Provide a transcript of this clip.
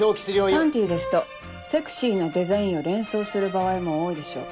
「パンティ」ですとセクシーなデザインを連想する場合も多いでしょう。